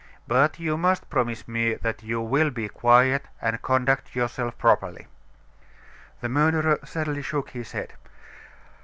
But you must promise me that you will be quiet and conduct yourself properly." The murderer sadly shook his head.